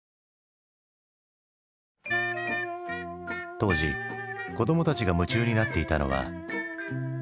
当時子供たちが夢中になっていたのは。